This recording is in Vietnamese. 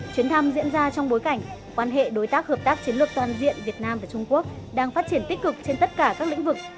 chuyến thăm diễn ra trong bối cảnh quan hệ đối tác hợp tác chiến lược toàn diện việt nam và trung quốc đang phát triển tích cực trên tất cả các lĩnh vực